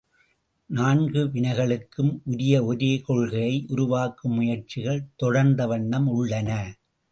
நான்கு வினைகளுக்கும் உரிய ஒரே கொள்கையை உருவாக்கும் முயற்சிகள் தொடர்ந்த வண்ணம் உள்ளன.